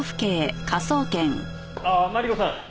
あっマリコさん。